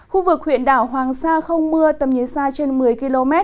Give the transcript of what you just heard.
khu vực huyện đảo hoàng sa không mưa tầm nhìn xa trên một mươi km